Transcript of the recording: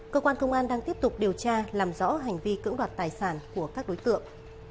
cơ quan công an đang tiếp tục điều tra làm rõ hành vi cưỡng đoạt tài sản của các đối tượng